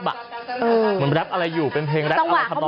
เหมือนแร็ปอะไรอยู่เป็นเพลงแร็ปอะไรทำร้องข้างหน้า